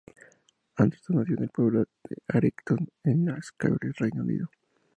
Anderson nació en el pueblo de Accrington, en Lancashire, Reino Unido.